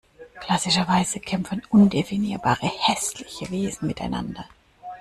Klassischerweise kämpfen undefinierbare hässliche Wesen miteinander.